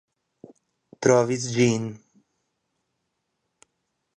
Trovis ĝin .